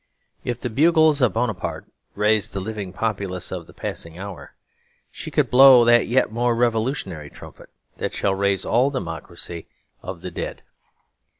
If the bugles of Bonaparte raised the living populace of the passing hour, she could blow that yet more revolutionary trumpet that shall raise all the democracy of the dead.